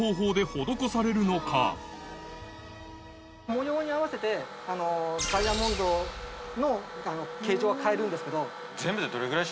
文様に合わせてダイヤモンドの形状は変えるんですけど。